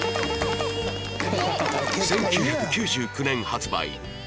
１９９９年発売